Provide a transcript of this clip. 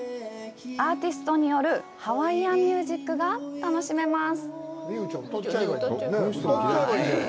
アーティストによるハワイアンミュージックが楽しめます。